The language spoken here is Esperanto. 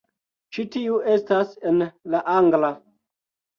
Ĉi tiu estas en la angla